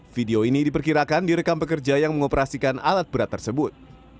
video ini diperkirakan direkam pekerja yang mengoperasikan alat berat tersebut